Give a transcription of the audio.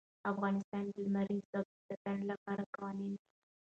افغانستان د لمریز ځواک د ساتنې لپاره قوانین لري.